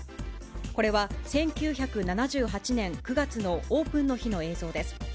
これは１９７８年９月のオープンの日の映像です。